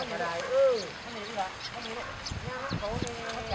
จามลดคุคคุดคู่คุด